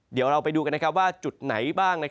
เดี๋ยวเราไปดูกันว่าจุดไหนบ้าง